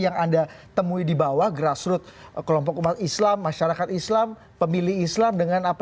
yang anda temui di bawah grassroot kelompok umat islam masyarakat islam pemilih islam dengan apa